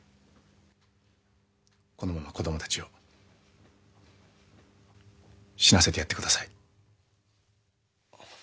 このまま子どもたちを死なせてやってください